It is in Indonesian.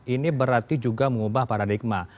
ini berarti juga mengubah paradigma